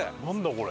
これ。